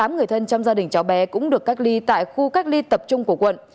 tám người thân trong gia đình cháu bé cũng được cách ly tại khu cách ly tập trung của quận